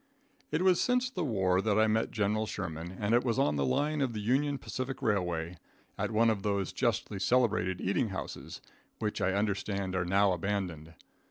It was since the war that I met General Sherman, and it was on the line of the Union Pacific Railway, at one of those justly celebrated eating houses, which I understand are now abandoned.